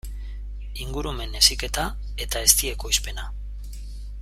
Ingurumen heziketa eta ezti ekoizpena.